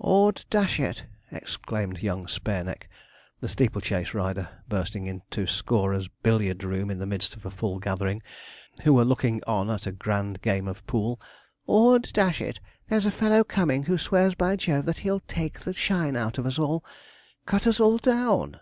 ''Ord dash it!' exclaimed young Spareneck, the steeple chase rider, bursting into Scorer's billiard room in the midst of a full gathering, who were looking on at a grand game of poule, 'Ord dash it! there's a fellow coming who swears by Jove that he'll take the shine out of us all, "cut us all down!"'